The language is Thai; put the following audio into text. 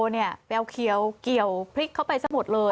เนี่ยไปเอาเขียวเกี่ยวพลิกเข้าไปซะหมดเลย